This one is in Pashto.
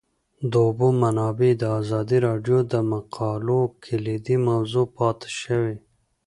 د اوبو منابع د ازادي راډیو د مقالو کلیدي موضوع پاتې شوی.